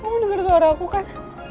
kamu dengar suara aku kan